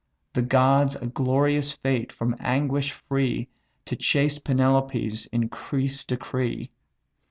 The gods a glorious fate from anguish free To chaste Penelope's increase decree.